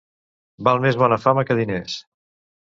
Val més bona fama que diners.